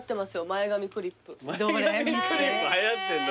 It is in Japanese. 前髪クリップはやってんの？